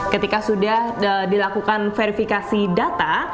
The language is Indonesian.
ketika sudah dilakukan verifikasi data